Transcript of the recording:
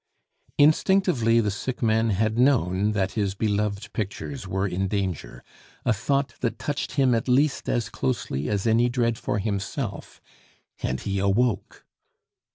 Instinctively the sick man had known that his beloved pictures were in danger, a thought that touched him at least as closely as any dread for himself, and he awoke.